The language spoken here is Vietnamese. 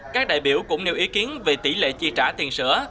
các đại biểu cũng nêu ý kiến về tỷ lệ chi trả tiền sữa